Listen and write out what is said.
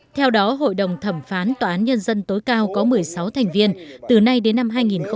theo đó hội đồng thẩm phán tòa án nhân dân tối cao có một mươi sáu thành viên từ nay đến năm hai nghìn hai mươi